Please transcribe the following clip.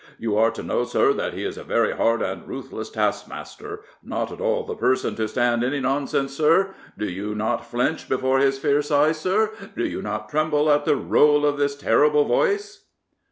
You are to know, sir, that he is a very hard and ruthless taskmaster — not at all the person to stand any nonsense, sir. Do you not flinch before this fierce eye, sir? do you not tremble at the roll of this terrible voice?